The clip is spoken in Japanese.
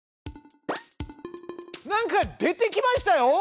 なんか出てきましたよ！